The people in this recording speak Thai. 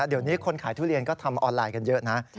เดี๋ยวนี้คนขายทุเรียนก็ทำออนไลน์กันเยอะนะ